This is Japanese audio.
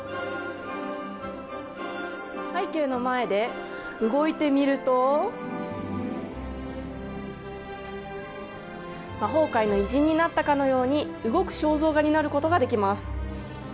背景の前で動いてみると魔法界の偉人になったかのように動く肖像画になることができます。